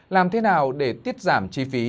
làm thế nào để tiết giảm chi phí